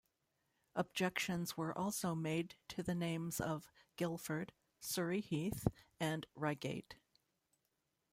Objections were also made to the names of Guildford, Surrey Heath and Reigate.